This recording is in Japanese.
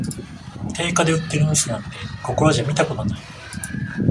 定価で売ってる店なんて、ここらじゃ見たことない